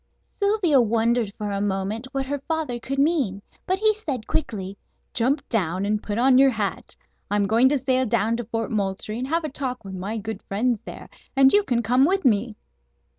Sylvia wondered for a moment what her father could mean, but he said quickly: "Jump down and put on your hat. I'm going to sail down to Fort Moultrie and have a talk with my good friends there, and you can come with me."